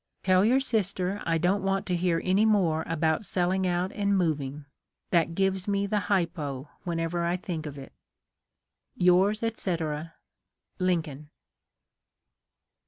Tell your sister I don't want to hear any more about selling out and moving. That gives me the hypo whenever I think of it. " Yours, etc. ^" Lincoln."